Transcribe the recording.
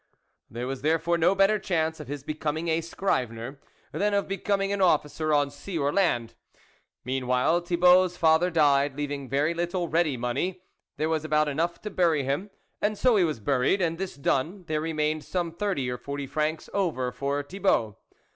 There was, therefore, no better chance of his becoming a scrivener than of be coming an officer on sea or land. Mean while, Thibault's father died, leaving very little ready money. There was about enough to bury him, so he was buried, and this done, there remained some thirty or forty francs over for Thibault.